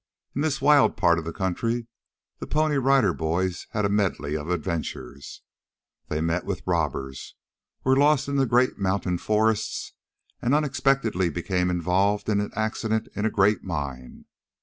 In this wild part of the country the Pony Rider Boys had a medley of adventures they met with robbers, were lost in the great mountain forests, and unexpectedly became involved in an accident in a great mine.